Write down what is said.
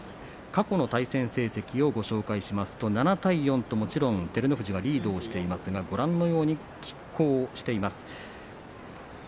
過去の対戦成績をご紹介しますと７対４ともちろん照ノ富士がリードしていますがご覧のように、きっ抗しています。